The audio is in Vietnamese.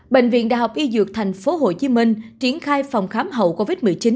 bệnh viện đại học y dược tp hcm triển khai phòng khám hậu covid một mươi chín